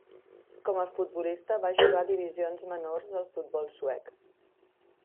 Com a futbolista, va jugar a divisions menors del futbol suec.